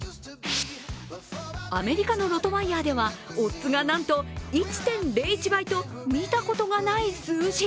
アメリカのロトワイヤーではオッズがなんと１．０１倍と見たことがない数字。